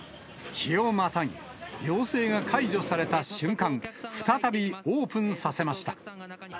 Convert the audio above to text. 日をまたぎ、要請が解除された瞬間、再びオープンさせました。